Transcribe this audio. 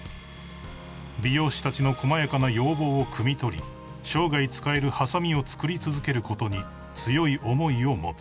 ［美容師たちのこまやかな要望をくみ取り生涯使えるはさみを作り続けることに強い思いを持つ］